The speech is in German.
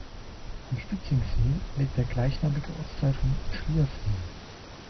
Am Spitzingsee liegt der gleichnamige Ortsteil von Schliersee.